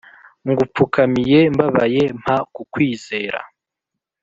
Ngupfdukamiye mbabaye mpa kukwizera